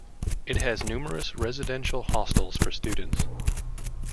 It has numerous residential hostels for students.